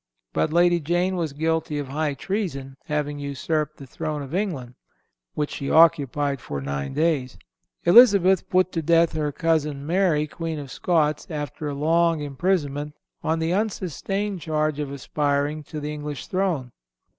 But Lady Jane was guilty of high treason, having usurped the throne of England, which she occupied for nine days. Elizabeth put to death her cousin Mary, Queen of Scots, after a long imprisonment, on the unsustained charge of aspiring to the English throne.